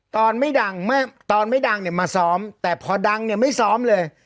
ตอนไม่ดังตอนไม่ดังเนี่ยมาซ้อมแต่พอดังเนี่ยไม่ซ้อมเลย